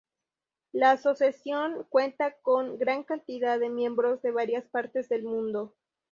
La asociación cuenta con gran cantidad de miembros de varias partes del mundo.